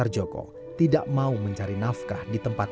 perempuan yang mendidik saya melahirkan saya